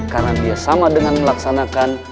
karena dia sama dengan melaksanakan